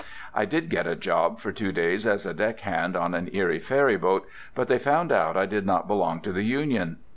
I did get a job for two days as a deckhand on an Erie ferryboat, but they found out I did not belong to the union.